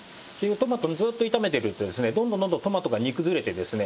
トマトずーっと炒めてるとですねどんどんどんどんトマトが煮崩れてですね